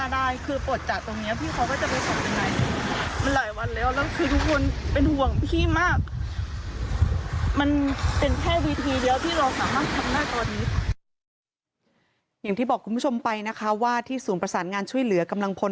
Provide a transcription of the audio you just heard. อย่างที่บอกคุณผู้ชมไปนะคะว่าที่ศูนย์ประสานงานช่วยเหลือกำลังพล